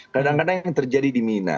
kadang kadang yang terjadi di mina